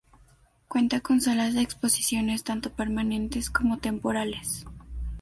Cuenta con salas de exposiciones tanto permanentes como temporales.